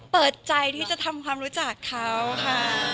เปิดใจที่จะทำความรู้จักเขาค่ะ